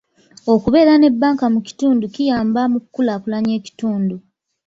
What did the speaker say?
Okubeera ne banka mu kitundu kiyamba mu kukulaakulanya ekitundu.